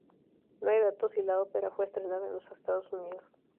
No hay datos si la ópera fue estrenada en los Estados Unidos.